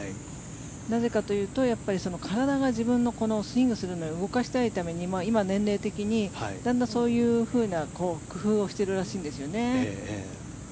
なぜかというと体が自分のスイングするのに動かしたいために今、年齢的にだんだん、そういうふうな工夫をしているらしいんですよね。